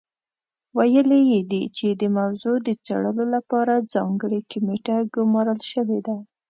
ویلي یې دي چې د موضوع د څېړلو لپاره ځانګړې کمېټه ګمارل شوې ده.